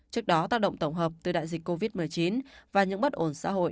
trước đó tác động tổng hợp từ đại dịch covid một mươi chín và những bất ổn xã hội